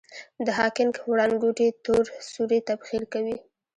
د هاکینګ وړانګوټې تور سوري تبخیر کوي.